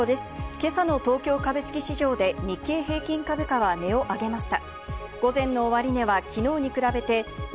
今朝の東京株式市場で日経平均株価は値を上げました。